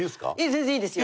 全然いいですよ。